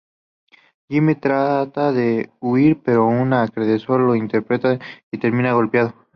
Jimmy trata de huir, pero un acreedor lo intercepta y termina golpeado.